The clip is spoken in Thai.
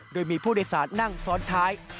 โดยมีผู้โดยสารนั่งซ้อนท้าย